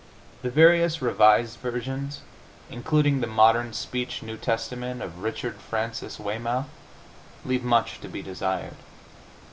The various Revised Versions, including the Modern Speech New Testament of Richard Francis Weymouth, leave much to be desired.